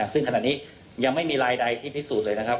ซึ่งขณะนี้ยังไม่มีรายใดที่พิสูจน์เลยนะครับ